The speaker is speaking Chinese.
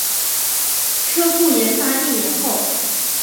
车库研发一年后